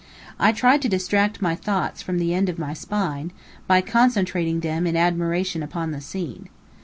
I tried to distract my thoughts from the end of my spine, by concentrating them in admiration upon the scene.